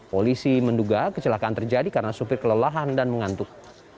polisi menduga kecelakaan terjadi karena supir kelelahan dan mengantuk